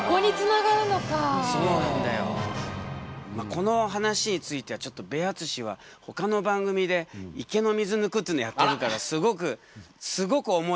この話についてはちょっとベアツシはほかの番組で池の水抜くっていうのやってるからすごくすごく思いがあるんだな。